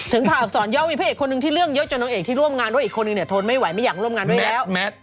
ผ่าอักษรย่อมีพระเอกคนหนึ่งที่เรื่องเยอะจนนางเอกที่ร่วมงานด้วยอีกคนนึงเนี่ยทนไม่ไหวไม่อยากร่วมงานด้วยแล้ว